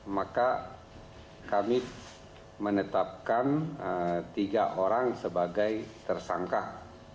maka kami menetapkan tiga orang sebagai tersangka